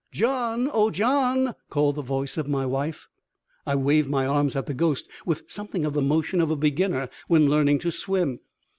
"John! Oh, John!" called the voice of my wife. I waved my arms at the ghost with something of the motion of a beginner when learning to swim.